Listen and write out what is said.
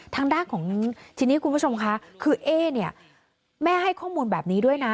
ทางด้านของทีนี้คุณผู้ชมค่ะคือเอ๊เนี่ยแม่ให้ข้อมูลแบบนี้ด้วยนะ